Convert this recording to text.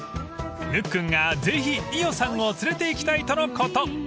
［ぬっくんがぜひ伊代さんを連れていきたいとのこと］